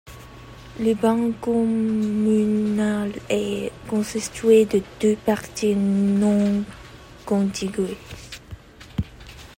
Le ban communal est constitué de deux parties non contigües.